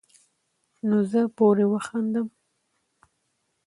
نو زۀ پورې وخاندم ـ